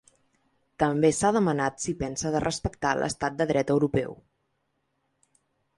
També s’ha demanat si pensa de respectar l’estat de dret europeu.